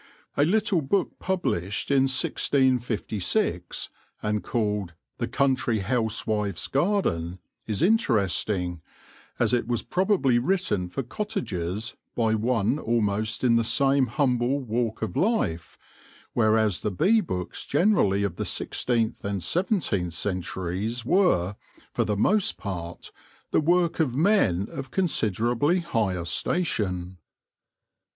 A little book published in 1656, and called " The Country Housewife's Garden," is interesting, as it was probably written for cottagers by one almost in the same humble walk of life, whereas the bee books generally of the sixteenth and seventeenth centuries were, for the most part, the work of men of consider ably higher station.